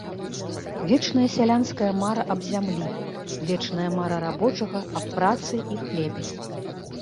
Вечная сялянская мара аб зямлі, вечная мара рабочага аб працы і хлебе!